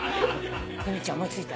由美ちゃん思い付いた？